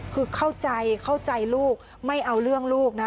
คือเข้าใจลูกไม่เอาเรื่องลูกนะ